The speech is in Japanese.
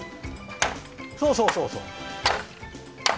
そうそうそうそう。